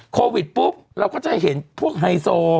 โควิดปุ๊บเราก็จะเห็นพวกไฮโซ